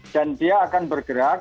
dan dia akan bergerak